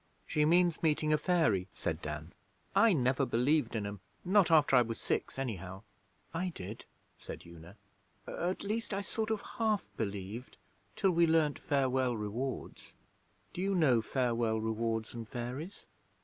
'She means meeting a fairy,' said Dan. 'I never believed in 'em not after I was six, anyhow.' 'I did,' said Una. 'At least, I sort of half believed till we learned "Farewell Rewards". Do you know "Farewell Rewards and Fairies"?'